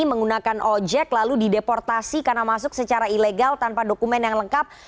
menggunakan ojek lalu dideportasi karena masuk secara ilegal tanpa dokumen yang lengkap